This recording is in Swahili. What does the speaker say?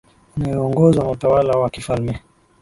inayoongozwa na utawala wa kifalme